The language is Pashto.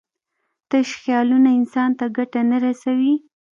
تش خیالونه انسان ته ګټه نه رسوي.